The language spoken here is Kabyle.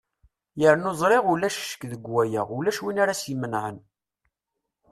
yernu ẓriɣ ulac ccek deg waya ulac win ara s-imenɛen